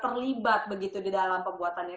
terlibat begitu di dalam pembuatannya